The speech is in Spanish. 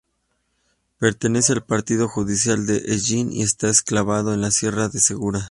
Pertenece al partido judicial de Hellín y está enclavado en la sierra de Segura.